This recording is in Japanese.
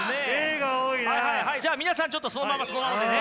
じゃあ皆さんちょっとそのままそのままでね。